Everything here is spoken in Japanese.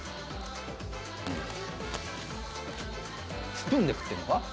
スプーンで食っているのか？